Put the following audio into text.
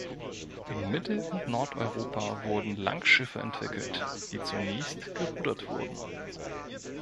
In Mittel- und Nordeuropa wurden Langschiffe entwickelt, die zunächst gerudert wurden.